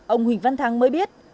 ông huỳnh văn thắng mới biết